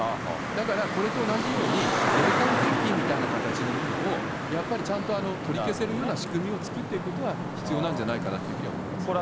だから、これと同じように霊感献金みたいな形のものを、やっぱりちゃんと取り消せるような仕組みを作っていくことは必要なんじゃないかなというふうに思いますね。